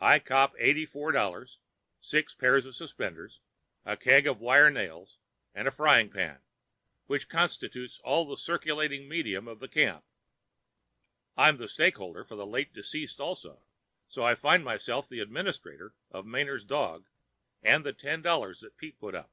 I cop eighty four dollars, six pairs of suspenders, a keg of wire nails, and a frying pan, which constitutes all the circulating medium of the camp. I'm the stakeholder for the late deceased also, so I find myself the administrator of Manard's dog and the ten dollars that Pete put up.